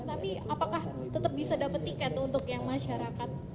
tapi apakah tetap bisa dapat tiket untuk yang masyarakat